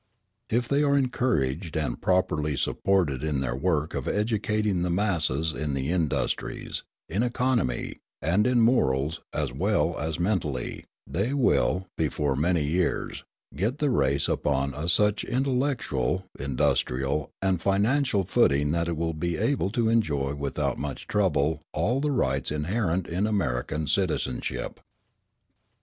If they are encouraged and properly supported in their work of educating the masses in the industries, in economy, and in morals, as well as mentally, they will, before many years, get the race upon such an intellectual, industrial, and financial footing that it will be able to enjoy without much trouble all the rights inherent in American citizenship.